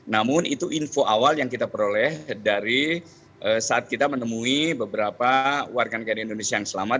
namun itu info awal yang kita peroleh dari saat kita menemui beberapa warga negara indonesia yang selamat